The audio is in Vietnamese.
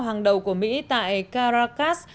hàng đầu của mỹ tại caracas